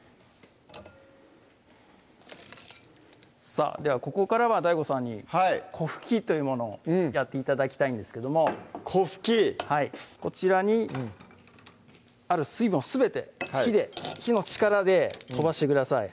さぁではここからはＤＡＩＧＯさんにはい粉吹きというものをやって頂きたいんですけども粉吹きこちらにある水分をすべて火で火の力で飛ばしてください